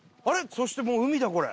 そしてもう海だこれ。